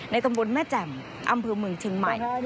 ในตำบลแม่จ่ำอำเพอร์มือเชียงใหม่